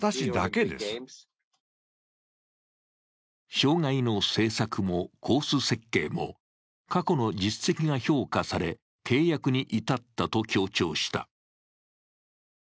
障害の制作もコース設計も過去の実績が評価され、契約に至ったと強調した。